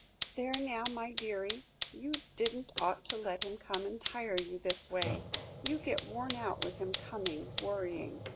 "There now, my dearie, you didn't ought to let him come and tire you this way; you get worn out with him coming worrying."